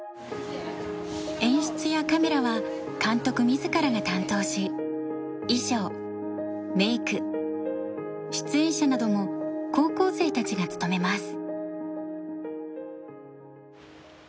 演出やカメラは監督自らが担当し衣装メイク出演者なども高校生たちが務めます。